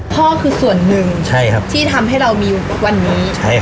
พ่อคือส่วนหนึ่งที่ทำให้เรามีอยู่วันนี้